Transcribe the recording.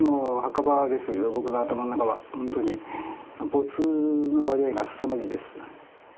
ボツの割合がすさまじいです。